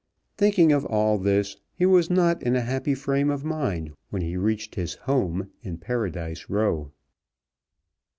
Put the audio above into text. Thinking of all this, he was not in a happy frame of mind when he reached his home in Paradise Row.